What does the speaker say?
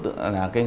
đến nhận dạng